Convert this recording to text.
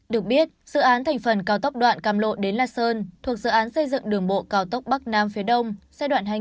được biết dự án thành phần cao tốc đoạn cam lộ đến la sơn thuộc dự án xây dựng đường bộ cao tốc bắc nam phía đông